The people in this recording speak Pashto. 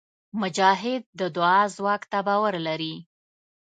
مجاهد د دعا ځواک ته باور لري.